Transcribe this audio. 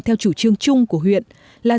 theo chủ trương chung của huyện là